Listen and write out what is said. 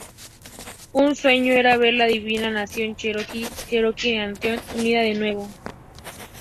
Su sueño era ver a la dividida nación cheroqui Cherokee Nation unida de nuevo.